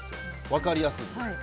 分かりやすいから。